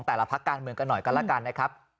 แต่ละพักการเมืองกันหน่อยกันล่ะครับ